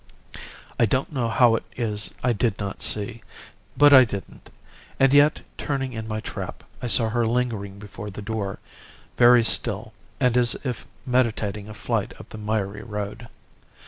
"I don't know how it is I did not see but I didn't. And yet, turning in my trap, I saw her lingering before the door, very still, and as if meditating a flight up the miry road.